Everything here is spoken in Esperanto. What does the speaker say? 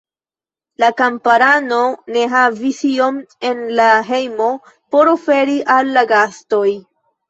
La kamparano ne havis ion en la hejmo por oferi al la gastoj.